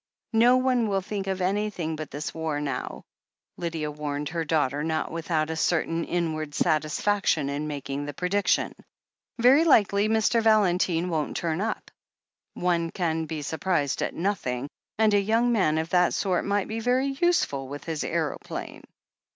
"No one will think of anything but this war now," Lydia warned her daughter, not without a certain in 38o THE HEEL OF ACHILLES ward satisfaction in making the prediction. "Very likely Mr. Valentine won't turn up— one can be sur prised at nothing, and a young man of that sort might be very useful, with his aeroplane."